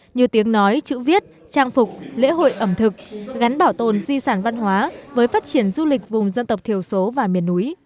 như tiếng nói chữ viết trang phục lễ hội ẩm thực gắn bảo tồn di sản văn hóa với phát triển du lịch vùng dân tộc thiểu số và miền núi